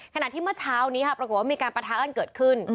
ขณะที่เมื่อเช้านี้ค่ะปรากฏว่ามีการประทะกันเกิดขึ้น